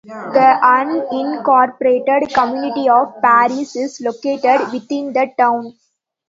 The unincorporated community of Paris is located within the town.